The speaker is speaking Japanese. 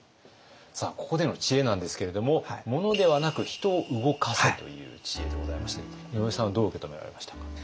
さあここでの知恵なんですけれども「物ではなく人を動かせ！」という知恵でございましたけれども井上さんはどう受け止められましたか？